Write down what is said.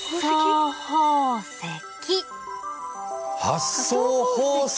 発想宝石？